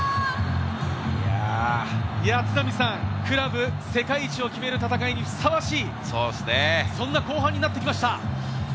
クラブ世界一を決める戦いにふさわしい、そんな後半になってきました。